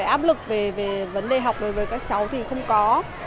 áp lực về vấn đề học đối với các cháu thì không có